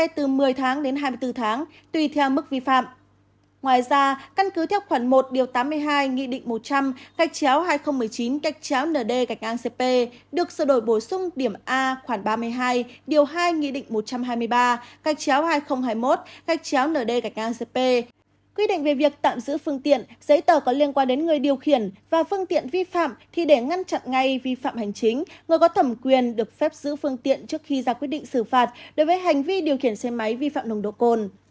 quy định về việc tạm giữ phương tiện giấy tờ có liên quan đến người điều khiển và phương tiện vi phạm thì để ngăn chặn ngay vi phạm hành chính người có thẩm quyền được phép giữ phương tiện trước khi ra quyết định xử phạt đối với hành vi điều khiển xe máy vi phạm nồng độ côn